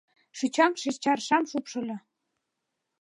Шӱчаҥше чаршам шупшыльо.